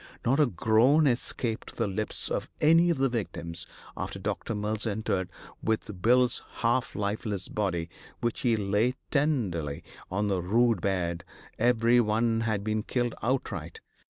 Not a groan escaped the lips of any of the victims after Doc. Mills entered with Bill's half lifeless body, which he lay tenderly on the rude bed; every one had been killed outright.